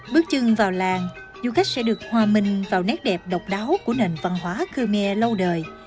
bước chân vào làng du khách sẽ được hòa minh vào nét đẹp độc đáo của nền văn hóa khmer lâu đời